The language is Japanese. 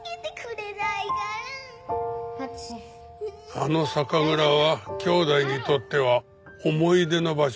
あの酒蔵は兄弟にとっては思い出の場所だ。